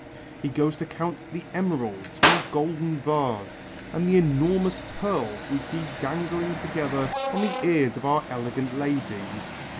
He goes to count the emeralds on a golden vase, and the enormous pearls we see dangling together on the ears of our elegant ladies.